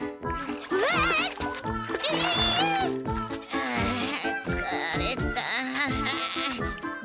ああつかれた。